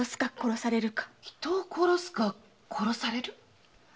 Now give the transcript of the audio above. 人を殺すか殺される？